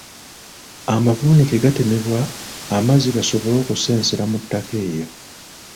Amavuunike gatemebwa amazzi gasobole okusensera mu ttaka eryo.